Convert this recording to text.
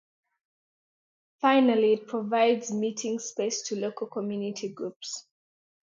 Finally it provides meeting space to local community groups.